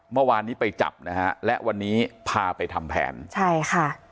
เมื่อวานนี้ไปจับนะฮะและวันนี้พาไปทำแผนใช่ค่ะ